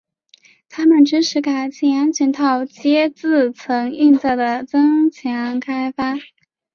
它们支持改进安全套接字层运作的增强开发。